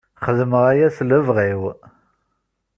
Xedmeɣ aya s lebɣi-w.